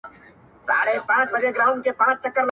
دوې یې سترګي وې په سر کي غړېدلې.!